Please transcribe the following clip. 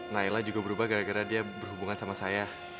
naila juga berubah gara gara dia berhubungan sama saya